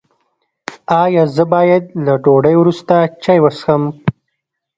ایا زه باید له ډوډۍ وروسته چای وڅښم؟